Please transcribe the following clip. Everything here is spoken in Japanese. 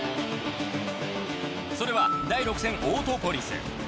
それは第６戦オートポリス。